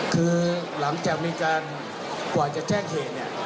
คือหลังจากมีการกว่าจะแจ้งเหตุเนี่ย